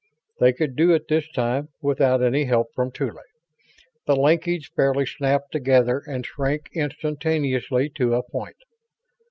They could do it this time without any help from Tuly. The linkage fairly snapped together and shrank instantaneously to a point.